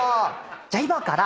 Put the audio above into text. じゃあ今から。